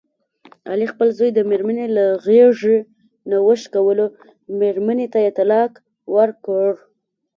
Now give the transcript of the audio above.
علي خپل زوی د مېرمني له غېږې نه وشکولو، مېرمنې ته یې طلاق ورکړ.